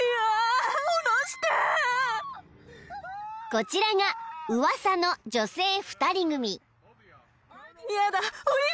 ［こちらがウワサの女性２人組］